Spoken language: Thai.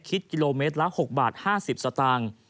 คิดกิโลเมตรละ๖บาท๕๐สตางค์